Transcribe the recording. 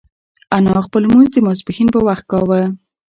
انا خپل لمونځ د ماسپښین په وخت کاوه.